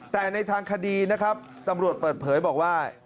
แต่ในทางคดีนะครับตำรวจเปิดเผยบอกว่า